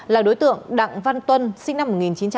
là đối tượng đặng văn tuân sinh năm một nghìn chín trăm tám mươi